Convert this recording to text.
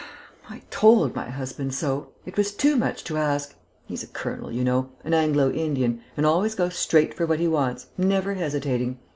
"I told my husband so. It was too much to ask. He's a colonel, you know an Anglo Indian and always goes straight for what he wants, never hesitating.